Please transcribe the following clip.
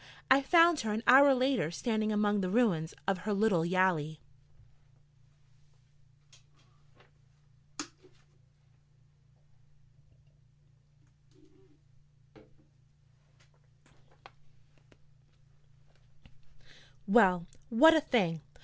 I found her an hour later standing among the ruins of her little yali. Well, what a thing!